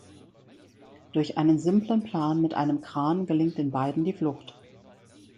Durch einen simplen Plan mit einem Kran gelingt den beiden die Flucht.